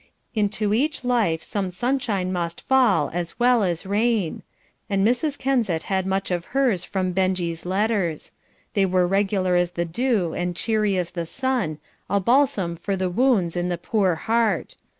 "Into each life some sunshine must fall, as well as rain," and Mrs. Kensett had much of hers from Benjie's letters; they were regular as the dew and cheery as the sun, a balsam for the wounds in the poor heart.